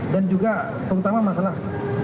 dan juga terutama masalah